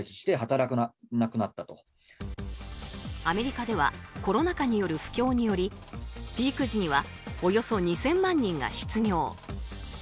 アメリカではコロナ禍による不況によりピーク時にはおよそ２０００万人が失業。